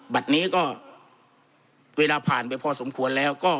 บัตรนี้ก็เวลาผ่านไปพอสมควรแล้วก็